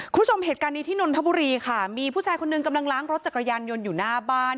คุณผู้ชมเหตุการณ์นี้ที่นนทบุรีค่ะมีผู้ชายคนหนึ่งกำลังล้างรถจักรยานยนต์อยู่หน้าบ้าน